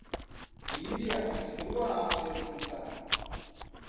Mídia continua a perguntar